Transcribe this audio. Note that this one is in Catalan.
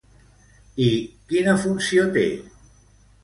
I quina funció té?